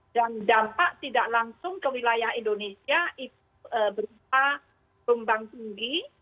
dan dampak tidak langsung ke wilayah indonesia berupa kembang tinggi